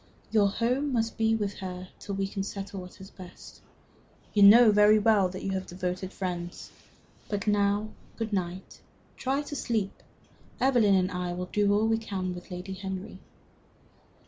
Your home must be with her till we can all settle what is best. You know very well you have devoted friends. But now good night. Try to sleep. Evelyn and I will do all we can with Lady Henry."